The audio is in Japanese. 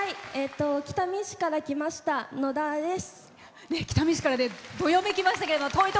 北見市から来ましたのだです。